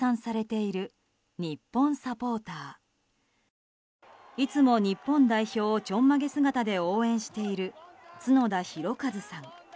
いつも日本代表をちょんまげ姿で応援している角田寛和さん。